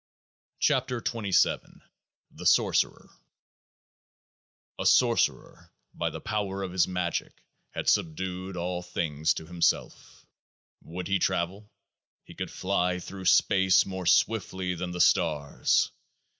36 KEOAAH KZ THE SORCERER A Sorcerer by the power of his magick had subdued all things to himself. Would he travel? He could fly through space more swiftly than the stars.